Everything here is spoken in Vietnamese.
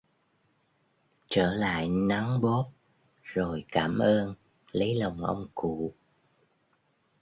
Trở lại nắn bóp rồi cảm ơn lấy lòng ông cụ